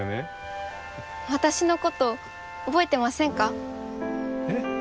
私のこと覚えてませんか？